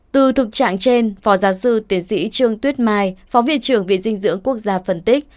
từ thực trạng trên phó giáo sư tiến sĩ trương tuyết mai phó viện trưởng viện dinh dưỡng quốc gia phân tích